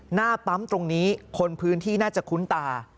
หน้าปั๊มตรงนี้คนพื้นที่น่าจะคุ้นตา